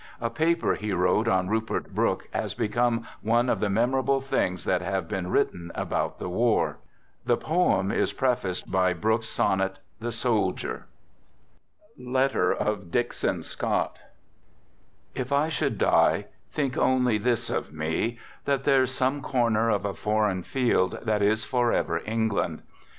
A paper he wrote on Rupert Brooke has become one of the memorable things that have been written about the war. The poem is prefaced by Brooke's sonnet, If I should die, think only this of me: That there's some corner of a foreign field That is forever England.